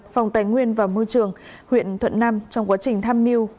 phòng tài nguyên và môi trường huyện thuận nam trong quá trình tham mưu